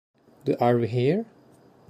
The Are We Here?